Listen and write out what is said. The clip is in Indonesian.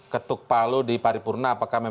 ketuk palu di paripurna apakah menurut anda